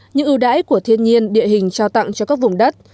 những ưu đãi của thiên nhiên địa hình trao tặng cho các vùng đất